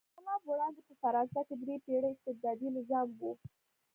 تر انقلاب وړاندې په فرانسه کې درې پېړۍ استبدادي نظام و.